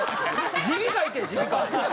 耳鼻科行け耳鼻科。